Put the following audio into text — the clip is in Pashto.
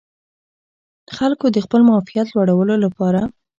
خلکو د خپل معافیت لوړولو لپاره